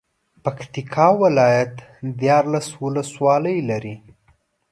پکتيا ولايت ديارلس ولسوالۍ لري.